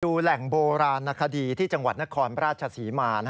แหล่งโบราณนาคดีที่จังหวัดนครราชศรีมา